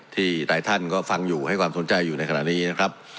ที่หลายท่านก็ฟังอยู่ให้ความสนใจอยู่ในขณะนี้นะครับ